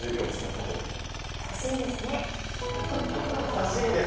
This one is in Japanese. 優しいんです！